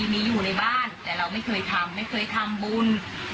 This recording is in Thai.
มีอยู่ในบ้านแต่เราไม่เคยทำไม่เคยทำบุญ